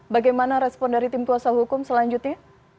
bagaimana respon dari tim kuasa hukum selanjutnya